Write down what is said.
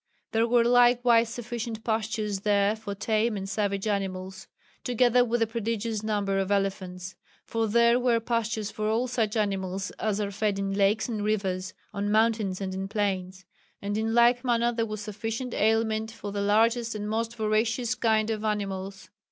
There were likewise sufficient pastures there for tame and savage animals; together with a prodigious number of elephants. For there were pastures for all such animals as are fed in lakes and rivers, on mountains and in plains. And in like manner there was sufficient aliment for the largest and most voracious kind of animals.